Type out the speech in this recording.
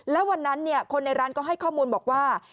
แล้ววันนั้นคนในร้านก็ให้ข้อมูลบอกว่า